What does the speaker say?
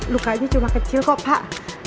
lukanya cuma kecil kok pak